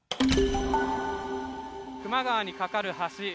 球磨川にかかる橋。